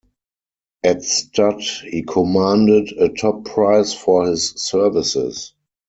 At stud, he commanded a top price for his services.